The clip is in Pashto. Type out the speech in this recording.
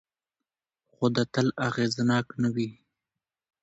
خو دا تل اغېزناک نه وي.